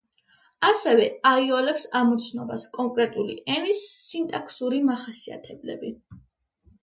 ასევე აიოლებს ამოცნობას კონკრეტული ენის სინტაქსური მახასიათებლები.